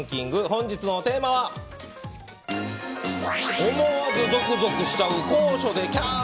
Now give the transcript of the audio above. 本日のテーマは思わずゾクゾクしちゃう高所でキャー！